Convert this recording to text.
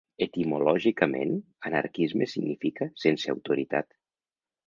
Etimològicament, anarquisme significa ‘sense autoritat’.